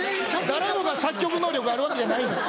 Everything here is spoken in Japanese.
誰もが作曲能力あるわけじゃないんです。